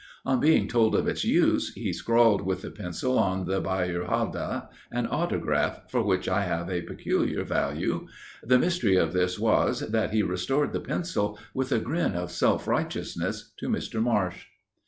On being told of its use, he scrawled with the pencil on the beyur haldeh, an autograph, for which I have a peculiar value. The mystery of this was, that he restored the pencil, with a grin of self righteousness, to Mr. Marsh."